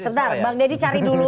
sebentar bang deddy cari dulu